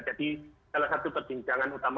salah satu perbincangan utama